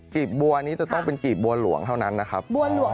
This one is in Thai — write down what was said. ข้างบัวแห่งสันยินดีต้อนรับทุกท่านนะครับ